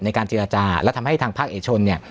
ในการเจรจาและทำให้ทางภาคเอกชนเนี่ย